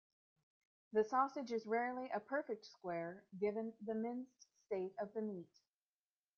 The sausage is rarely a perfect square given the minced state of the meat.